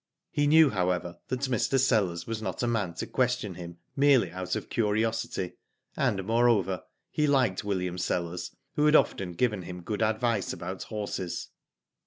He knew, however, that Mr. Sellers was not a man to question him merely out of curiosity, and, moreover, he liked William Sellers, who had often given him good advice about horses.